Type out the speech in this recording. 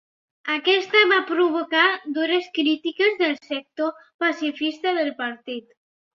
Aquesta va provocar dures crítiques del sector pacifista del partit.